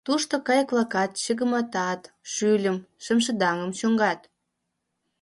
Тушто кайык-влак чыгыматат, шӱльым, шемшыдаҥым чӱҥгат.